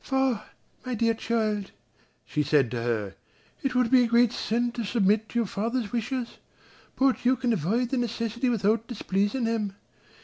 "For, my dear child," she said to her, "it would be a great sin to submit to your father's wishes, but you can avoid the necessity without displeasing him.